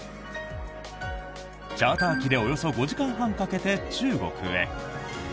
チャーター機でおよそ５時間半かけて中国へ。